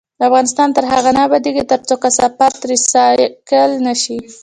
افغانستان تر هغو نه ابادیږي، ترڅو کثافات ریسایکل نشي.